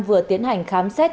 vừa tiến hành khám xét